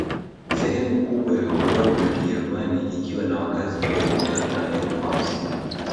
Sehemu kubwa ya koloni la Kijerumani ikiwa na wakazi milioni tatu na elfu hamsini